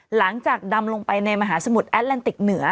หลังจากดำลงไปในมหาสมุดแอตแลนติกเหนือ